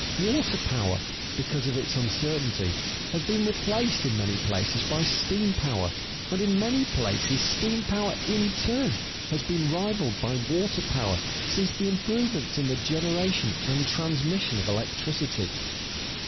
Water power, because of its uncertainty, has been replaced in many places by steam power, and in many places steam power in turn, has been rivaled by water power since the improvements in the generation and transmission of electricity.